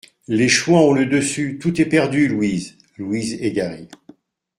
Les chouans ont le dessus, tout est perdu, Louise ! LOUISE, égarée.